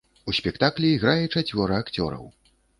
У спектаклі іграе чацвёра акцёраў.